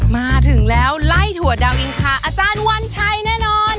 มาถึงแล้วไล่ถั่วดาวอินทาอาจารย์วันชัยแน่นอน